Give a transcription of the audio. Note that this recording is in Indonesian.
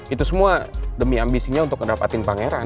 itu semua demi ambisinya untuk mendapatkan pangeran